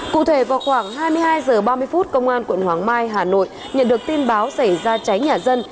cụ thể vào khoảng hai mươi hai h ba mươi phút công an quận hoàng mai hà nội nhận được tin báo xảy ra cháy nhà dân